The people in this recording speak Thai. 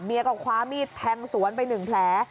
เมียก็คว้ามีดแทงสวนไปหนึ่งแผล